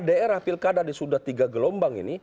daerah pilkada di sudut tiga gelombang ini